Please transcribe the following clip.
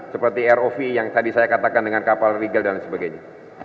seperti rov yang tadi saya katakan dengan kapal regal dan sebagainya